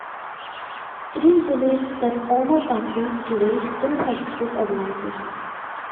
It is believed that Omar Bakri today still heads this organisation.